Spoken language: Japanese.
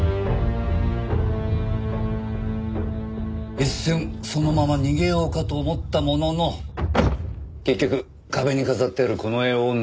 「一瞬そのまま逃げようかと思ったものの結局壁に飾ってあるこの絵を盗んだ」